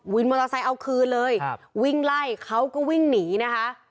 มอเตอร์ไซค์เอาคืนเลยครับวิ่งไล่เขาก็วิ่งหนีนะคะ